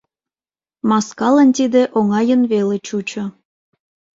Маскалан тиде оҥайын веле чучо.